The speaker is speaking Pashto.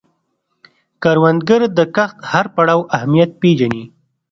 کروندګر د کښت د هر پړاو اهمیت پېژني